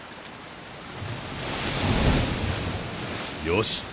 よし。